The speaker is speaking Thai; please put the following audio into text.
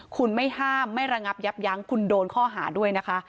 คุณไม่ห้ามไม่ระงับยับยั้งคุณโดนข้อหาด้วยนะคะ